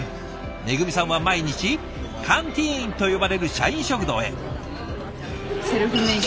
めぐみさんは毎日カンティーンと呼ばれる社員食堂へ。